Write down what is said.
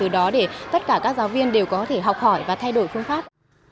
đó để tất cả các giáo viên đều có thể học hỏi và thay đổi phương pháp